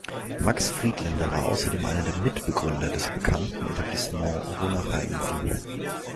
Max Friedländer war außerdem einer der Mitbegründer des bekannten Etablissement Ronacher in Wien.